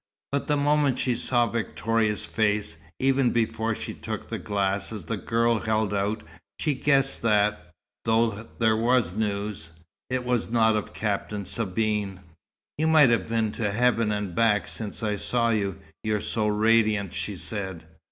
But the moment she saw Victoria's face, even before she took the glasses the girl held out, she guessed that, though there was news, it was not of Captain Sabine. "You might have been to heaven and back since I saw you; you're so radiant!" she said.